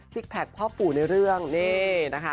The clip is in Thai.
แพคพ่อปู่ในเรื่องนี่นะคะ